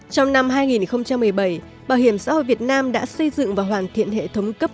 trong năm hai nghìn một mươi bảy bảo hiểm xã hội việt nam đã xây dựng và hoàn thiện hệ thống cấp